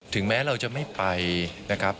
ถึงแม้เราจะไม่ไปนะครับ